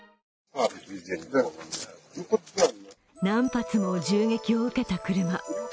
何発も銃撃を受けた車。